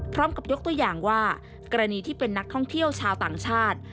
พร้อมกับยกตัวอย่างว่ากรณีที่เป็นนักท่องเที่ยวชาวต่างชาติ